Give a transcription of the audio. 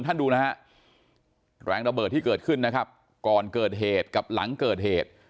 ดูนะฮะแรงระเบิดที่เกิดขึ้นนะครับก่อนเกิดเหตุกับหลังเกิดเหตุ